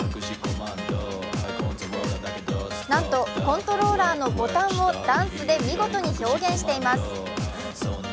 なんとコントローラーのボタンをダンスで見事に表現しています。